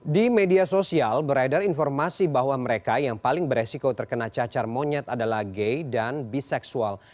di media sosial beredar informasi bahwa mereka yang paling beresiko terkena cacar monyet adalah gay dan biseksual